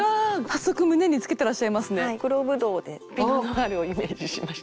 黒ブドウでピノ・ノワールをイメージしました。